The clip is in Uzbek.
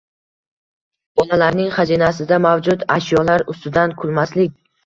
Bolalarning xazinasida mavjud ashyolar ustidan kulmaslik.